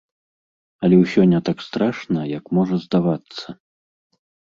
Але ўсё не так страшна, як можа здавацца.